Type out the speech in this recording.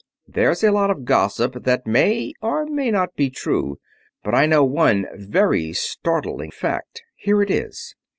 There's a lot of gossip, that may or may not be true, but I know one very startling fact. Here it is.